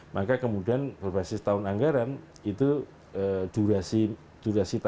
maka kemudian berbasis tahun anggaran itu durasi tahapan pemilih ini melintas